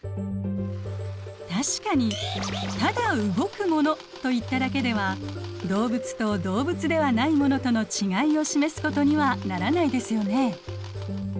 確かにただ動くものといっただけでは動物と動物ではないものとのちがいを示すことにはならないですよね。